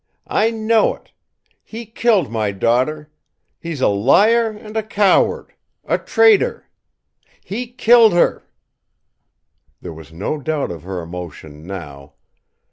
I know it! He killed my daughter. He's a liar and a coward a traitor! He killed her!" There was no doubt of her emotion now.